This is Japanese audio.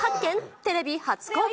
テレビ初公開。